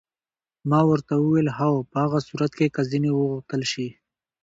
ما ورته وویل: هو، په هغه صورت کې که ځینې وغوښتل شي.